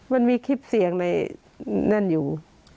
มันมีคลิปเสียงในนั่นอยู่